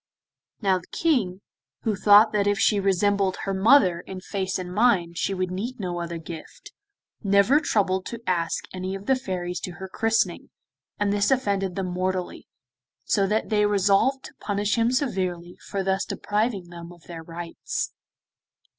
Now the King, who thought that if she resembled her mother in face and mind she would need no other gift, never troubled to ask any of the Fairies to her christening, and this offended them mortally, so that they resolved to punish him severely for thus depriving them of their rights.